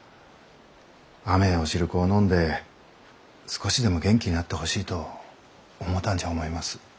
甘えお汁粉を飲んで少しでも元気になってほしいと思うたんじゃ思います。